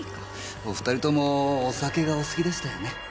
お２人ともお酒がお好きでしたよね。